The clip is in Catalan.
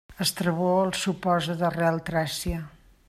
Estrabó els suposa d'arrel tràcia.